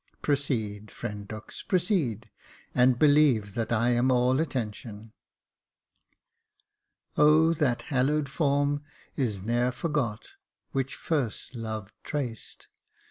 "Proceed, friend Dux, proceed; and believe that I am all attention." " O that hallowed form is ne'er forgot Which first love trac'd.